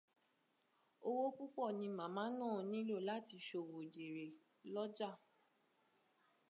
Owó púpọ̀ ni màmá náà nílò láti ṣòwò jèrè lọ́jà.